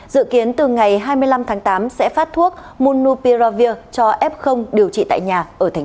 dự kiến từ ngày hai mươi năm tháng tám sẽ phát thuốc monu piravir cho f điều trị tại nhà ở tp hcm